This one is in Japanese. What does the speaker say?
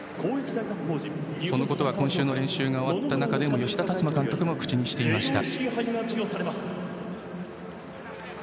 そのことは今週の練習が終わった中でも吉田監督はおっしゃっていました。